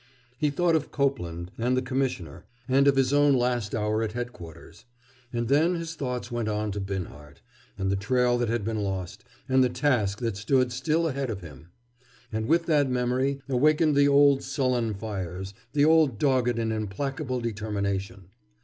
He thought of Copeland, and the Commissioner, and of his own last hour at Headquarters. And then his thoughts went on to Binhart, and the trail that had been lost, and the task that stood still ahead of him. And with that memory awakened the old sullen fires, the old dogged and implacable determination.